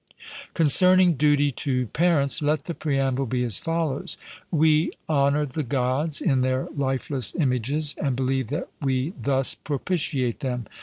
Concerning duty to parents, let the preamble be as follows: We honour the Gods in their lifeless images, and believe that we thus propitiate them.